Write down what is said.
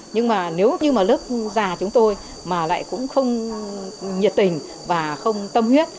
nhưng mà nếu như mà lớp già chúng tôi mà lại cũng không nhiệt tình và không tâm huyết